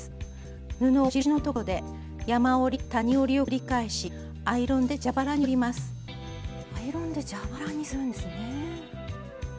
布を印のところで山折り谷折りを繰り返しアイロンで蛇腹にするんですね。